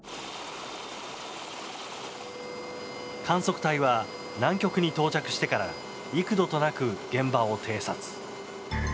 観測隊は、南極に到着してから幾度となく現場を偵察。